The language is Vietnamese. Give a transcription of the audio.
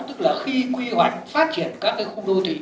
tức là khi quy hoạch phát triển các cái khu đô thị